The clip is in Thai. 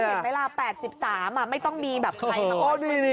ก็เห็นไหมล่ะ๘๓ไม่ต้องมีใครมาขอบคุณ